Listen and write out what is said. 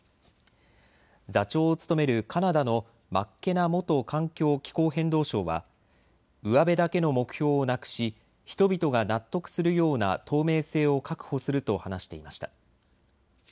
座長を務めるカナダのマッケナ元環境・気候変動相は、うわべだけの目標をなくし人々が納得するような透明性を確保すると話していました。